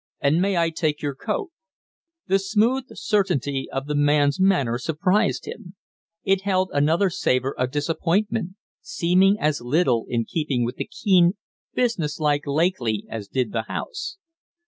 And may I take your coat?" The smooth certainty of the man's manner surprised him. It held another savor of disappointment seeming as little in keeping with the keen, business like Lakely as did the house.